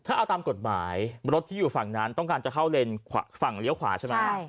ถ้าเอาตามกฎหมายรถที่อยู่ฝั่งนั้นต้องการจะเข้าเลนฝั่งเลี้ยวขวาใช่ไหม